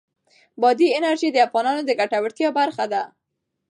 بادي انرژي د افغانانو د ګټورتیا برخه ده.